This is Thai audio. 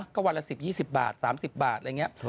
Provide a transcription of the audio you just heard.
ก็วันละ๑๐๒๐บาท๓๐บาทอะไรอย่างนี้